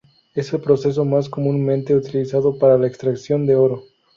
Es el proceso más comúnmente utilizado para la extracción de oro.